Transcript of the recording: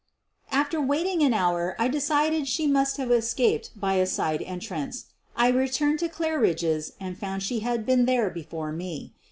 After waiting an hour I decided she must have escaped by a side entrance. I returned to Claridge 's and found she had been there before me.